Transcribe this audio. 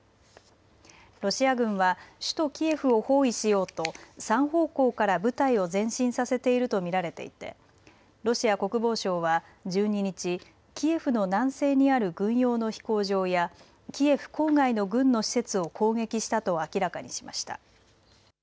ロシア軍は首都キエフを包囲しようと３方向から部隊を前進させていると見られていてロシア国防省は、１２日、キエフの南西にある軍用の飛行場やキエフ郊外の軍の施設を攻撃したと明らかにしました。